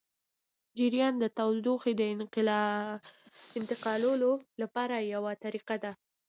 جریان د تودوخې د انتقالولو لپاره یوه طریقه ده.